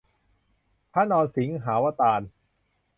พระนรสิงหาวตาร